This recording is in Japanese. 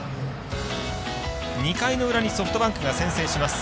２回の裏にソフトバンクが先制します。